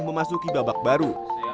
memasuki babak baru